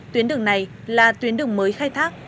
tuyến đường này là tuyến đường mới khai thác